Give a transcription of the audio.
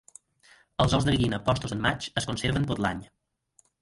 Els ous de gallina postos en maig es conserven tot l'any.